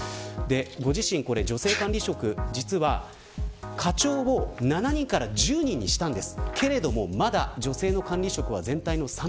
ご自身、女性管理職、実は課長を７人から１０人にしたんです。